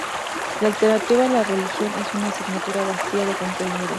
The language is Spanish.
La alternativa a la religión es una asignatura vacía de contenido.